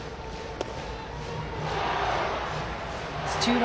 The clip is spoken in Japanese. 土浦